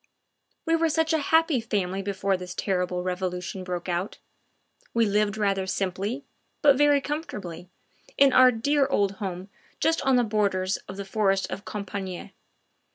We were such a happy family before this terrible Revolution broke out; we lived rather simply, but very comfortably, in our dear old home just on the borders of the forest of Compiegne.